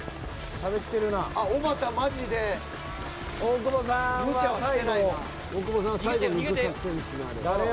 大久保さんは最後に行く作戦ですね。